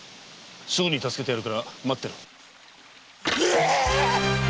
すぐに助けてやるから待ってろ。